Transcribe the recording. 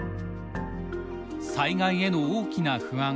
災害への大きな不安。